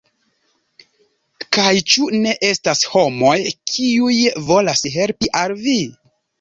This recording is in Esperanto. Kaj ĉu ne estas homoj, kiuj volas helpi al vi?